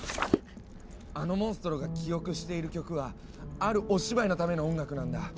あのモンストロが記憶している曲はあるお芝居のための音楽なんだ。